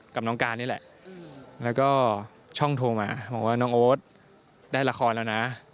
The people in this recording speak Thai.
กับน้องการนี่แหละแล้วก็ช่องโทรมาบอกว่าน้องโอ๊ตได้ละครแล้วนะ